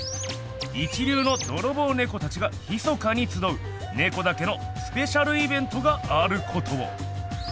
一流のドロボウネコたちがひそかにつどうネコだけのスペシャルイベントがあることを！